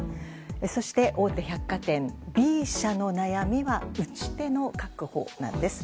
そして、大手百貨店Ｂ社の悩みは打ち手の確保なんです。